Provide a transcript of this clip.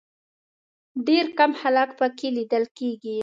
ډېر کم خلک په کې لیدل کېږي.